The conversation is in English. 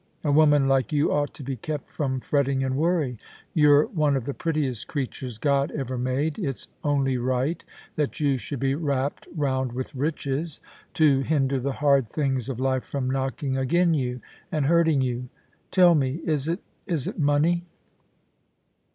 A woman like you ought to be kept from fretting and worry. You're one of the prettiest creatures God ever made ; it's only right that you should be wrapped round with richeSi to HERCULES AND OMPHALE. 99 hinder the hard things of life from knocking agen you and hurting you. ... Tell me, is it — is it money